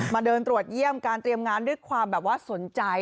เดินตรวจเยี่ยมการเตรียมงานด้วยความแบบว่าสนใจ